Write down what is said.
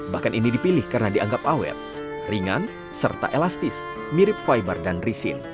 bahkan ini dipilih karena dianggap awet ringan serta elastis mirip fiber dan risin